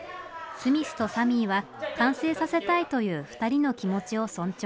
スミスとサミーは完成させたいという２人の気持ちを尊重。